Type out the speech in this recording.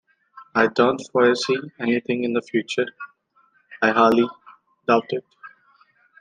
I don't foresee anything in the future; I highly doubt it.